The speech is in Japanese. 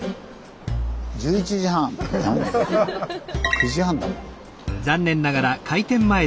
９時半だもん。